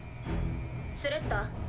スレッタ。